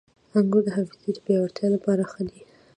• انګور د حافظې د پیاوړتیا لپاره ښه دي.